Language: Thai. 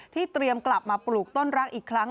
เตรียมกลับมาปลูกต้นรักอีกครั้ง